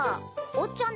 おっちゃん